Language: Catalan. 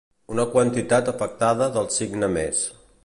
Una quantitat afectada del signe més.